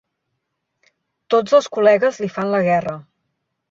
Tots els col·legues li fan la guerra.